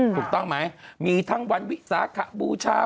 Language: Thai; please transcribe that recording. ถูกต้องไหมมีทั้งวันวิสาขบูชา